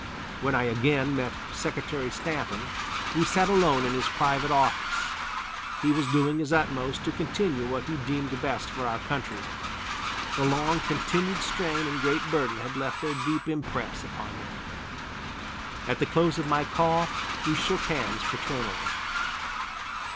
When I again met Secretary Stanton we sat alone in his private office. He was doing his utmost to continue what he deemed best for our country. The long continued strain and great burden had left their deep impress upon him. At the close of my call we shook hands fraternally.